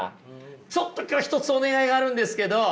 ちょっと今日一つお願いがあるんですけど。